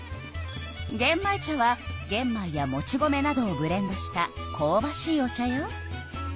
げん米茶はげん米やもち米などをブレンドしたこうばしいお茶よ。